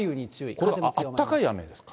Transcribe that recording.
これあったかい雨ですか？